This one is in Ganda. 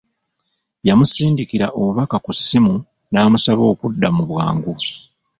Yamusindikira obubaka ku ssimu n'amusaba okudda mu bwangu.